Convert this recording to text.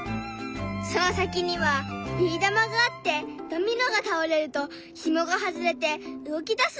その先にはビー玉があってドミノが倒れるとひもが外れて動きだすんだ。